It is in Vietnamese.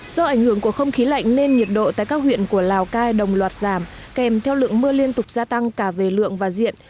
do ảnh hưởng của không khí lạnh nên nhiệt độ tại các huyện của lào cai đồng loạt giảm kèm theo lượng mưa liên tục gia tăng cả về lượng và diện